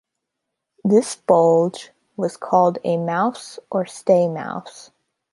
"This bulge" was called a mouse or stay mouse.